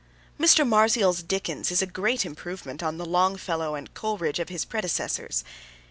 Mr. Marzials' Dickens is a great improvement on the Longfellow and Coleridge of his predecessors.